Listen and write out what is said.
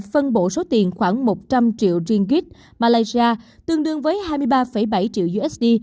phân bổ số tiền khoảng một trăm linh triệu riênggit malaysia tương đương với hai mươi ba bảy triệu usd